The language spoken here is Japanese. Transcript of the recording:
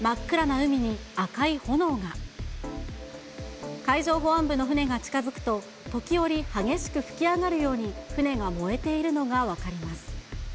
海上保安部の船が近づくと、時折激しく吹き上がるように船が燃えているのが分かります。